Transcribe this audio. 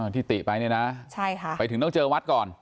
ติไปเนี่ยนะไปถึงต้องเจอวัดก่อน